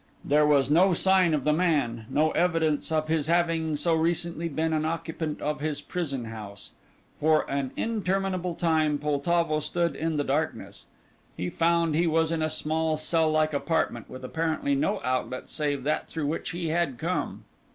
There was no sign of the man, no evidence of his having so recently been an occupant of his prison house. For an interminable time Poltavo stood in the darkness. He found he was in a small cell like apartment with apparently no outlet save that through which he had come.